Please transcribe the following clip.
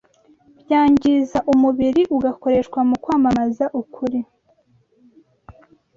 byangiza umubiri ugakoreshwa mu kwamamaza ukuri?